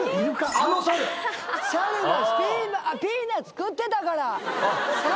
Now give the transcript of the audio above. あっピーナツ食ってたから。